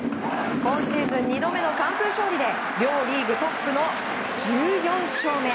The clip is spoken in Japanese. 今シーズン２度目の完封勝利で両リーグトップの１４勝目。